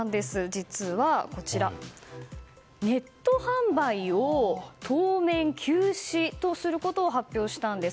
実はこちら、ネット販売を当面休止とすることを発表したんです。